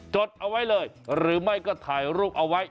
ดเอาไว้เลยหรือไม่ก็ถ่ายรูปเอาไว้